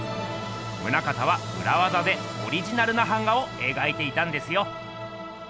棟方はうらわざでオリジナルな版画をえがいていたんですよ。